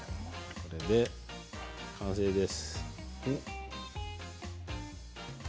これで完成です。